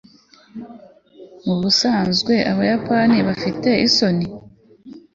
mubisanzwe, abayapani bafite isoni